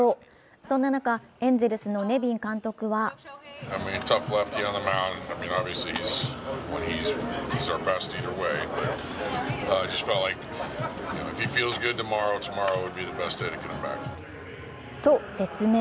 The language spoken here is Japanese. そんな中、エンゼルスのネビン監督はと説明。